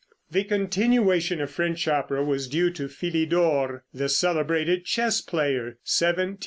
The continuation of French opera was due to Philidor, the celebrated chess player (1726 1795).